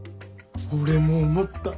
俺も思った。